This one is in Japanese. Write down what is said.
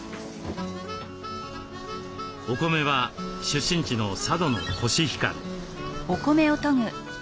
お米は出身地の佐渡のコシヒカリ。